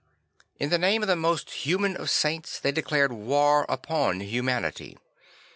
In the name of the most human of saints they declared war upon humanity.